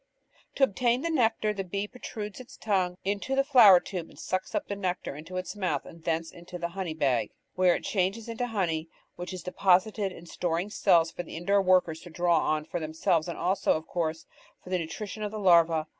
To obtain the nectar, the bee protrudes its tongue into the flower tube and sucks up the nectar into its mouth and thence into the "honey bag," where it changes into honey, which is deposited in storing cells for the indoor workers to draw on for themselves and also, of course, for the nutrition of the larvae.